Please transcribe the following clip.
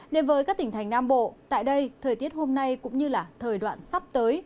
đến với các tỉnh thành nam bộ tại đây thời tiết hôm nay cũng như là thời đoạn sắp tới